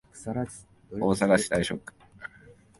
大阪市大正区